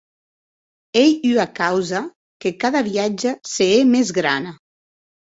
Ei ua causa que cada viatge se hè mès grana.